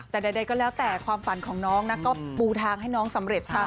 แต่ใดก็แล้วแต่ความฝันของน้องนะก็ปูทางให้น้องสำเร็จค่ะ